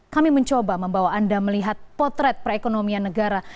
kami mencoba membawa anda melihat potret perekonomian negara